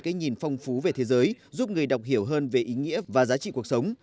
cái nhìn phong phú về thế giới giúp người đọc hiểu hơn về ý nghĩa và giá trị cuộc sống